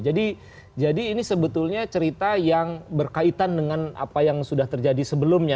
jadi ini sebetulnya cerita yang berkaitan dengan apa yang sudah terjadi sebelumnya